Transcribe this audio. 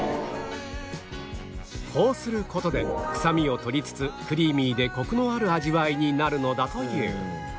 こうする事で臭みを取りつつクリーミーでコクのある味わいになるのだという